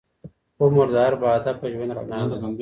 عمر د هر باهدفه ژوند رڼا ده.